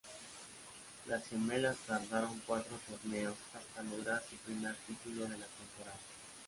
Las gemelas tardaron cuatro torneos hasta lograr su primer título de la temporada.